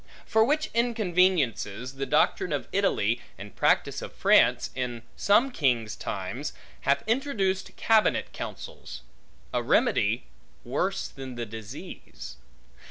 For which inconveniences, the doctrine of Italy, and practice of France, in some kings' times, hath introduced cabinet counsels; a remedy worse than the disease.